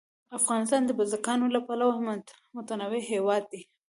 افغانستان د بزګانو له پلوه متنوع هېواد دی.